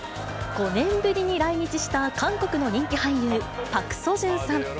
５年ぶりに来日した韓国の人気俳優、パク・ソジュンさん。